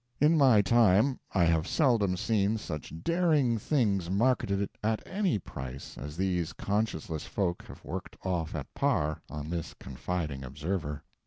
In my time I have seldom seen such daring things marketed at any price as these conscienceless folk have worked off at par on this confiding observer.